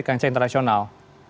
di kancah internasional